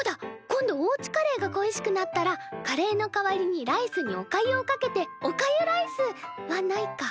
今度おうちカレーが恋しくなったらカレーの代わりにライスにおかゆをかけておかゆライスはないか。